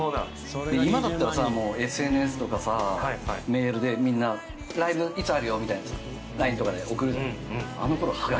今だったらさＳＮＳとかさメールでみんなライブいつあるよみたいなさＬＩＮＥとかで送るじゃんあっ